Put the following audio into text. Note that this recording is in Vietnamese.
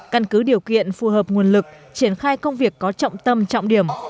căn cứ điều kiện phù hợp nguồn lực triển khai công việc có trọng tâm trọng điểm